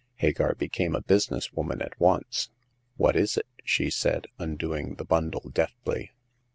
Hagar became a business woman at once. What is it ?'* she said, undoing the bundle deftly.